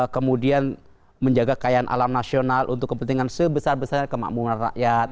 kemudian menjaga kekayaan alam nasional untuk kepentingan sebesar besar kemakmuran rakyat